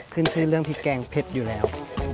ขึ้นชื่อเรื่องพริกแกงเผ็ดอยู่แล้ว